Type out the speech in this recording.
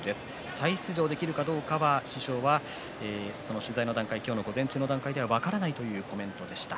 再出場できるかどうかは師匠は今日の午前中の取材の段階では分からないということでした。